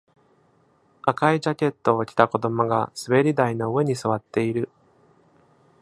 赤いジャケットを着た子供が、滑り台の上に座っている。